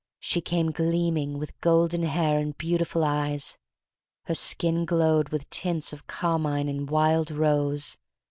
She came gleaming, with golden hair and beautiful eyes. Her skin glowed with tints of carmine and wild rose.